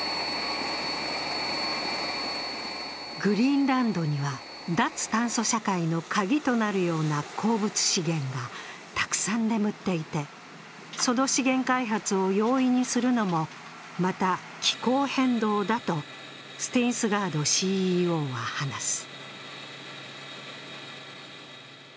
グリーンランドには脱炭素社会のカギとなるような鉱物資源がたくさん眠っていてその資源開発を容易にするのもまた気候変動だとスティーンスガードＣＥＯは話す。